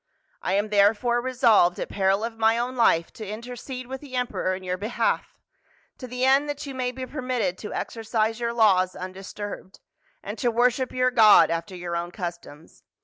I am therefore resolved, at peril of my own life, to intercede with the emperor in your behalf, to the end that you may be permitted to exercise your laws undisturbed, and to worship your God after your own customs.